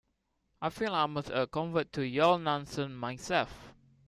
I feel almost a convert to your nonsense myself.